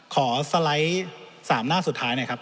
ขอสไลด์๓หน้าสุดท้ายนะครับ